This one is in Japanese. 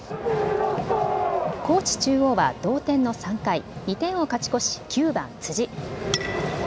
高知中央は同点の３回、２点を勝ち越し９番・辻。